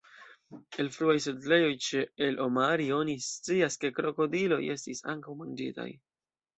El fruaj setlejoj ĉe el-Omari oni scias, ke krokodiloj estis ankaŭ manĝitaj.